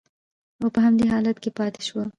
او په همدې حالت کې پاتې شوه